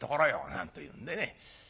なんというんでね。